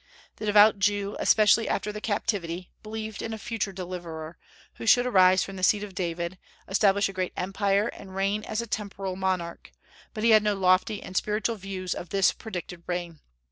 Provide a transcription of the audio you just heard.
The devout Jew, especially after the Captivity, believed in a future deliverer, who should arise from the seed of David, establish a great empire, and reign as a temporal monarch; but he had no lofty and spiritual views of this predicted reign.